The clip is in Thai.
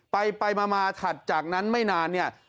ไปมาถัดจากนั้นไม่นานเนี่ย